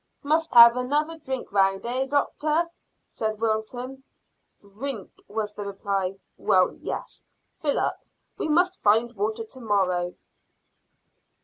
"Must have another drink round; eh, doctor?" said Wilton. "Drink?" was the reply. "Well, yes; fill up. We must find water to morrow."